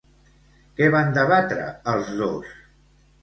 Què van debatre els dos?